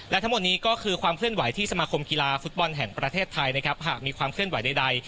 และทั้งหมดนี้ก็คือความเคลื่อนไหวที่สมาคมกีฬาฟุตบอลแห่งประเทศไทยนะครับหากมีความเคลื่อนไหวใด